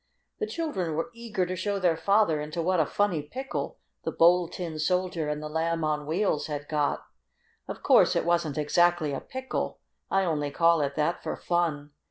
The children were eager to show their father into what a funny pickle the Bold Tin Soldier and the Lamb on Wheels had got. Of course, it wasn't exactly a "pickle." I only call it that for fun.